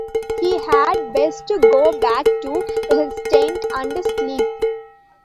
He had best go back to his tent and sleep.